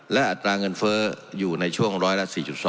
และอัตราเงินเฟ้ออยู่ในช่วงร้อยละ๔๒